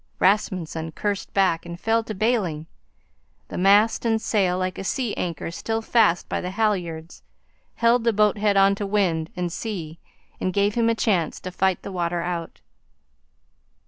Rasmunsen cursed back and fell to bailing. The mast and sail, like a sea anchor, still fast by the halyards, held the boat head on to wind and sea and gave him a chance to fight the water out.